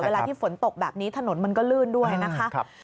เวลาที่ฝนตกแบบนี้ถนนมันก็ลื่นด้วยนะคะ